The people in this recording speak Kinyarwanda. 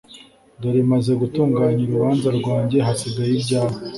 Dore maze gutunganya urubanza rwanjye hasigaye ibyawe